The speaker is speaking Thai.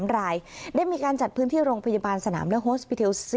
๓รายได้มีการจัดพื้นที่โรงพยาบาลสนามและโฮสปิเทล๔